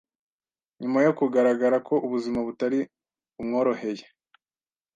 nyuma yo kugaragara ko ubuzima butari bumworoheye